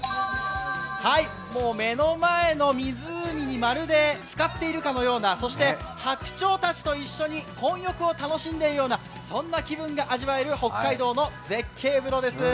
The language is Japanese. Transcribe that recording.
目の前の湖にまるでつかっているかのような、そして白鳥たちと一緒に混浴を楽しんでいるようなそんな気分が味わえる北海道の絶景風呂です。